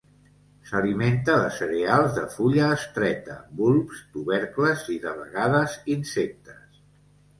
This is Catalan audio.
S'alimenta de cereals de fulla estreta, bulbs, tubercles i, de vegades, insectes.